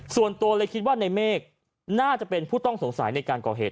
ส่วนตัวเลยคิดว่าในเมฆน่าจะเป็นผู้ต้องสงสัยในการก่อเหตุ